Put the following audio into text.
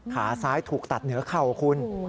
ขาซ้ายถูกตัดเหนือเข่าคุณ